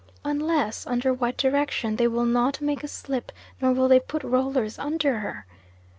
Unless under white direction they will not make a slip, nor will they put rollers under her.